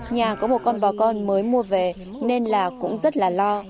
nhà có một con bò con mới mua về nên là cũng rất là lo